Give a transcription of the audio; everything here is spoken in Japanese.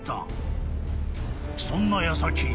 ［そんな矢先］